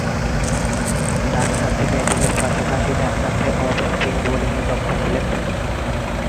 ডানহাতে ব্যাটিংয়ের পাশাপাশি ডানহাতে অফ স্পিন বোলিংয়ে দক্ষ ছিলেন তিনি।